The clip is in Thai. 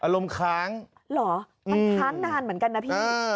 อารมณ์ค้างหรออืมมันค้างนานเหมือนกันนะพี่อ่า